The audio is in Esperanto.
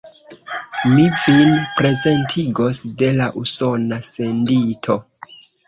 Mi vin prezentigos de la Usona sendito.